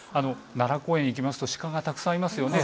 奈良公園行きますと鹿がたくさんいますよね。